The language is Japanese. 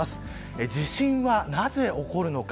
地震はなぜ起きるのか。